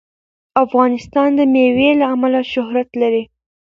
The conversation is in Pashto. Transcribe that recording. افغانستان د مېوې له امله شهرت لري.